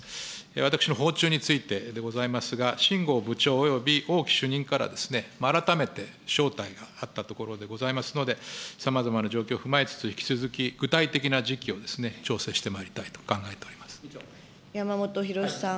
私の訪中についてでございますが、秦剛部長および、王毅主任から、改めて招待があったところでございますので、さまざまな状況を踏まえつつ、引き続き、具体的な時期を調整してまいりたいと考えて山本博司さん。